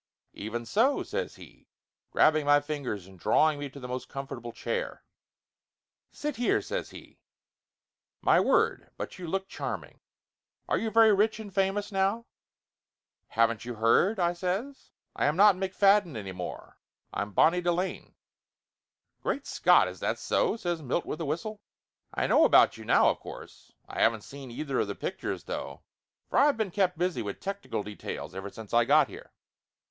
"Even so !" says he, grabbing my fingers and draw ing me to the most comfortable chair. "Sit here," says he. "My word, but you look charming! Are you very rich and famous now?" "Haven't you heard ?" I says. "I am not McFadden any more. I'm Bonnie Delane." "Great Scott, is that so?" says Milt with a whistle. "I know about you now, of course! I haven't seen either of the pictures, though, for I've been kept busy with technical details ever since I got here.